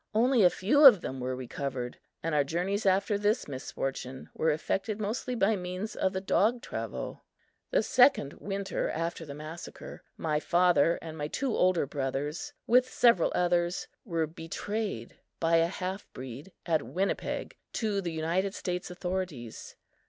Only a few of them were recovered, and our journeys after this misfortune were effected mostly by means of the dog travaux. The second winter after the massacre, my father and my two older brothers, with several others, were betrayed by a half breed at Winnipeg to the United States authorities.